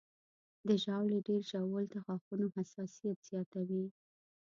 د ژاولې ډېر ژوول د غاښونو حساسیت زیاتوي.